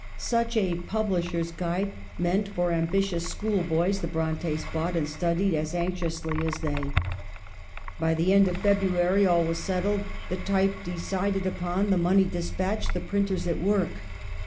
Such a publisher's guide, meant for ambitious school boys, the Bronte's bought and studied as anx iously as they. By the end of February all was settled, the type decided upon, the money de spatched, the printers at work.